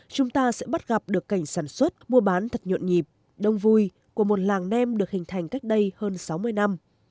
chúng ta sẽ bắt gặp được cảnh sản xuất mua bán thật nhuộn nhịp đông vui của một làng nem được hình thành cách đây hơn sáu mươi năm